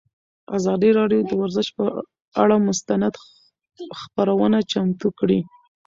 ازادي راډیو د ورزش پر اړه مستند خپرونه چمتو کړې.